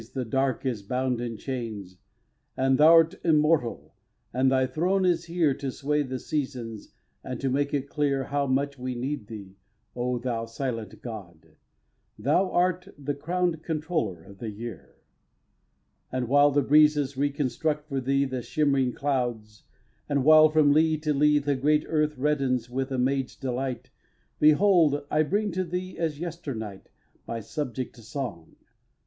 The Dark is bound in chains, And thou'rt immortal, and thy throne is here To sway the seasons, and to make it clear How much we need thee, O thou silent god! That art the crown'd controller of the year. ii. And while the breezes re construct for thee The shimmering clouds; and while, from lea to lea, The great earth reddens with a maid's delight, Behold! I bring to thee, as yesternight, My subject song.